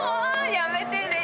やめてね